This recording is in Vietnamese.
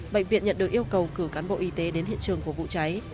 bệnh viện nhận được yêu cầu cử cán bộ y tế đến hiện trường của vụ cháy